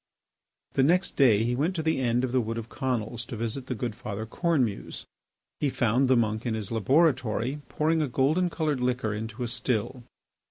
The next day he went to the end of the Wood of Conils to visit the good Father Cornemuse. He found the monk in his laboratory pouring a golden coloured liquor into a still.